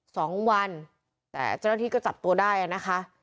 สองวันแต่เจ้าหน้าที่ก็จับตัวได้อ่ะนะคะ